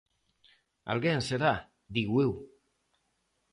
Alguén será, digo eu.